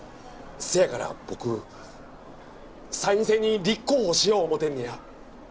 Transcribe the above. せやから僕、参院選に立候補しよう思うてんねや。